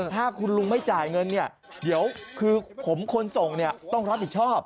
ถ้าคุณลุงไม่จ่ายเงินเนี่ยเดี๋ยวคือผมคนส่งเนี่ยต้องรับผิดชอบ